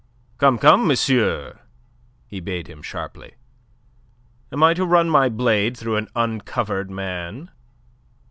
"Come, come, monsieur!" he bade him sharply. "Am I to run my blade through an uncovered man?"